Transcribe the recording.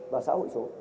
và xã hội số